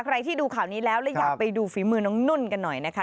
ใครที่ดูข่าวนี้แล้วและอยากไปดูฝีมือน้องนุ่นกันหน่อยนะคะ